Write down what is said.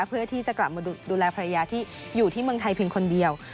เพื่อที่จะกลับมาดูแลภรรยาที่อยู่ที่เมืองไทยเพียงคนเดียว